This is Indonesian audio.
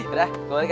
udah gue balik ya